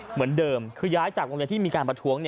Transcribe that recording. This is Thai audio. เหมือนเดิมคือย้ายจากโรงเรียนที่มีการประท้วง